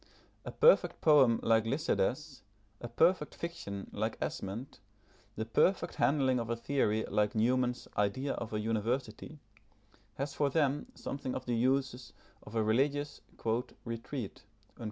A perfect poem like Lycidas, a perfect fiction like Esmond, the perfect handling of a theory like Newman's Idea of a University, has for them something of the uses of a religious "retreat."